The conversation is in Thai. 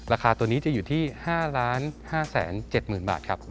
ราคาตัวนี้จะอยู่ที่๕๕๗๐๐๐บาทครับ